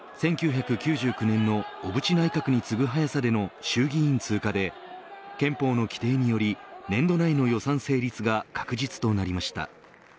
１９９９年の小渕内閣に次ぐ早さでの衆議院通過で憲法の規定により年度内の予算成立が確実となりました。